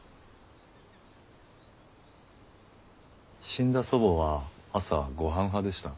死んだ祖母は朝ごはん派でした。